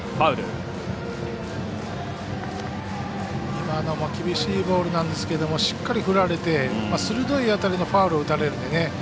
今のも厳しいボールなんですけどしっかり振られて鋭い当たりのファウルを打たれるんでね。